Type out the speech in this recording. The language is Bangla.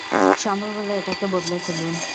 সম্ভব হলে এটাকে বদলে ফেলুন।